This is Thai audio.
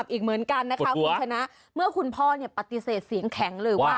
บิ๊กได้ให้ลูกกินไอศครีมหรือเปล่า